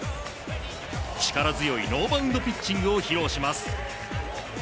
力強いノーバウンドピッチングを披露します。